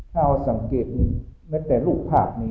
ถ้าคุณสังเกตแม้แต่ลูกภาคนี้